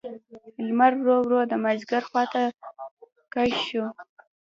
لمر ورو ورو د مازیګر خوا ته کږ شو.